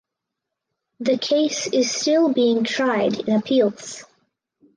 The case is still being tried in appeals.